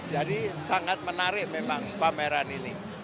jadi sangat menarik memang pameran ini